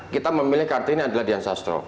kita memilih kartini adalah di ancestro